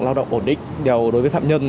lao động ổn định đầu đối với phạm nhân